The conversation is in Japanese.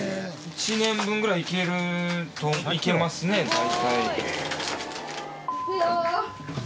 １年分ぐらいいけるいけますね大体。